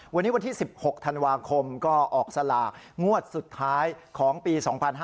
วันนี้วันที่๑๖ธันวาคมก็ออกสลากงวดสุดท้ายของปี๒๕๕๙